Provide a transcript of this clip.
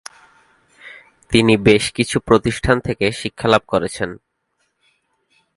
তিনি বেশ কিছু প্রতিষ্ঠান থেকে শিক্ষা লাভ করেছেন।